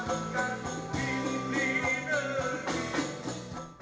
ya allah selamatkan pimpinan kita